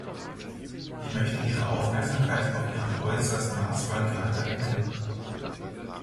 Ich möchte Ihre Aufmerksamkeit auf ihren äußerst maßvollen Charakter lenken.